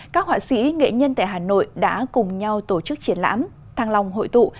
các họa sĩ nghệ nhân tại hà nội đã cùng nhau tổ chức triển lãm thăng long hội tụ